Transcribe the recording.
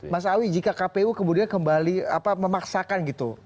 mas awi jika kpu kemudian kembali memaksakan gitu